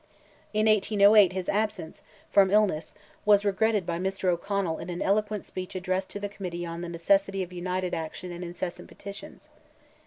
In 1808, his absence, from illness, was regretted by Mr. O'Connell in an eloquent speech addressed to the Committee on the necessity of united action and incessant petitions.